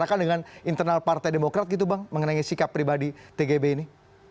apakah dengan internal partai demokrat gitu bang mengenai sikap pribadi tgb ini